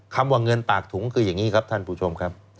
คำว่าเงินปากถุงคืออย่างนี้ครับท่านผู้ชมครับ